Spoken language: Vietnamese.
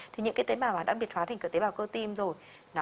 thì những tế bào đã biệt hóa thành tế bào cơ tim rồi